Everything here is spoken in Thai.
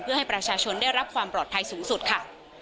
เพื่อให้ประชาชนได้รับความปลอดภัยสูงสุดค่ะ